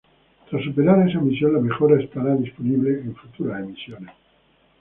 Tras superar esa misión la mejora estará disponible en futuras misiones.